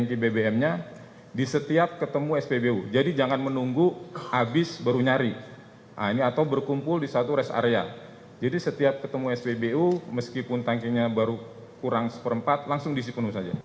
kami mengimbau kepada masyarakat yang akan melakukan mudik agar mengisi kendaraan